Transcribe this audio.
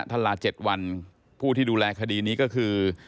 ท่านลา๗วันผู้ที่ดูแลคดีนี้ก็คือ